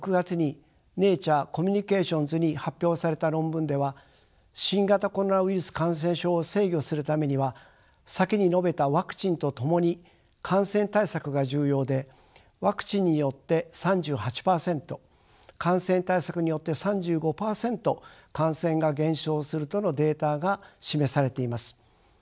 本年６月にＮａｔｕｒｅＣｏｍｍｕｎｉｃａｔｉｏｎｓに発表された論文では新型コロナウイルス感染症を制御するためには先に述べたワクチンと共に感染対策が重要でワクチンによって３８％感染対策によって３５％感染が減少するとのデータが示されています。